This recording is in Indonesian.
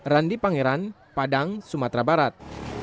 randi pangeran padang sumatera barat